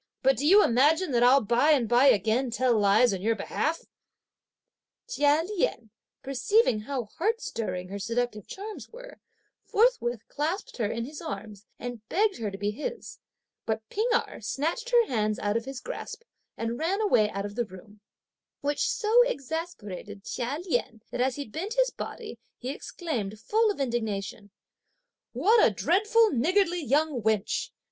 but do you imagine that I'll by and by again tell lies on your behalf!" Chia Lien perceiving how heart stirring her seductive charms were, forthwith clasped her in his arms, and begged her to be his; but P'ing Erh snatched her hands out of his grasp and ran away out of the room; which so exasperated Chia Lien that as he bent his body, he exclaimed, full of indignation: "What a dreadful niggardly young wench!